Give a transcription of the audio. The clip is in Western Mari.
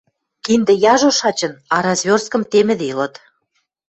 Киндӹ яжо шачын, а разверсткым темӹделыт.